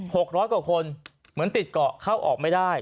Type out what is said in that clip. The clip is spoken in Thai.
หกร้อยกว่าคนเหมือนติดเกาะเข้าออกไม่ได้